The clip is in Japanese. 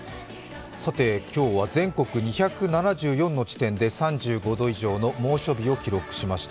今日は全国２７４の地点で３５度以上の猛暑日を記録しました。